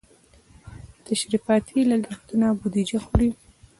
تشریفاتي لګښتونه بودیجه خوري.